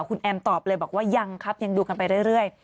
คุณแอมตอบเลยบอกว่ายังครับยังดูกันไปเรื่อย